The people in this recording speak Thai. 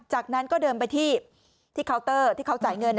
จากนั้นก็เดินไปที่เคาน์เตอร์ที่เขาจ่ายเงิน